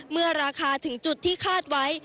เมื่อราคาถึงจุดที่คาดไว้